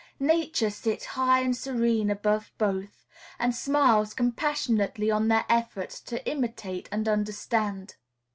Nature sits high and serene above both, and smiles compassionately on their efforts to imitate and understand.